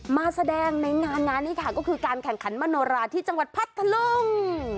มาแสดงในงานนี้ค่ะก็คือการขังขันย์มณราชที่จังหวัดพรรถลุง